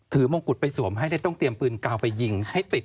มงกุฎไปสวมให้ต้องเตรียมปืนกาวไปยิงให้ติด